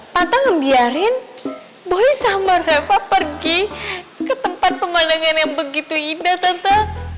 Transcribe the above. tante ngebiarin boy sama reva pergi ke tempat pemandangan yang begitu indah tante